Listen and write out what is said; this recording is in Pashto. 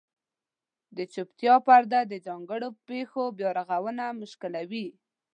د چوپتیا پرده د ځانګړو پېښو بیارغونه مشکلوي.